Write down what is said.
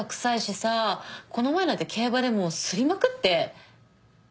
この前なんて競馬でもうすりまくって。